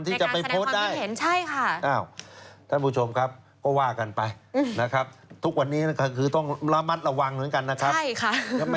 ที่จะไปโพสต์ได้อ้าวท่านผู้ชมครับก็ว่ากันไปนะครับทุกวันนี้คือต้องละมัดระวังเหมือนกันนะครับ